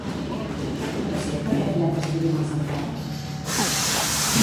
Pot ser que aquest led estigui massa fort?